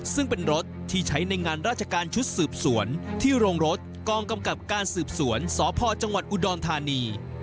ซึ่งเป็นรถที่ใช้ในงานราชการชุดสืบสวนที่โรงรถกองกำกับการสืบสวนสพจังหวัดอุดรธานี